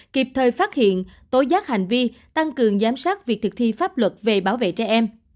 kịp thời phát hiện tối giác hành vi tăng cường giám sát việc thực thi pháp luật về bảo vệ trẻ em